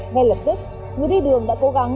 ngay lập tức người đi đường đã cố gắng